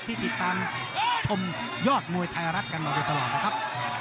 ติดตามชมยอดมวยไทยรัฐกันมาโดยตลอดนะครับ